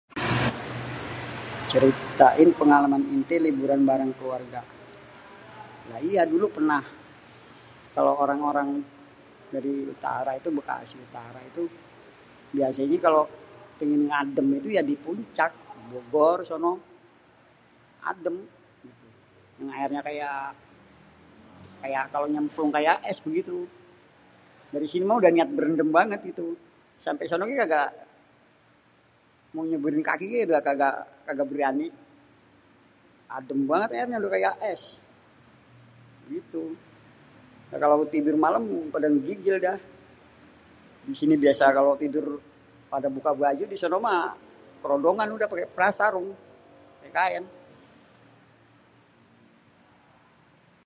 Ceritain pengalaman enté liburan bareng keluarga. Lah iya dulu pernah. Kalo orang-orang dari Utara itu, Bekasi Utara itu, biasanya kalo pengen ngadem itu ya di Puncak, Bogor sono. Adem. Yang aernya kayak, kayak kalo nyemplung kayak es begitu. Dari sini mah udah niat berendem banget sampé sono ge kagak mau nyeburin kaki ge kagak, kagak berani. Adem banget aernya tu kayak es. Begitu. Kalo tidur malem pada menggigilan dah. Di sini biasa kalo tidur pada buka baju di sono mah kerodongan udah paké sarung, paké kaen.